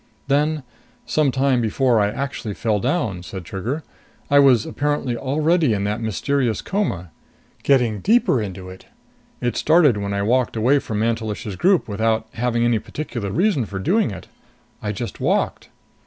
"Then, some time before I actually fell down," said Trigger, "I was apparently already in that mysterious coma. Getting deeper into it. It started when I walked away from Mantelish's group, without having any particular reason for doing it. I just walked.